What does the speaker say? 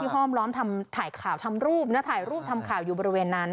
ห้อมล้อมทำถ่ายข่าวทำรูปถ่ายรูปทำข่าวอยู่บริเวณนั้น